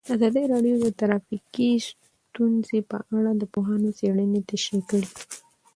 ازادي راډیو د ټرافیکي ستونزې په اړه د پوهانو څېړنې تشریح کړې.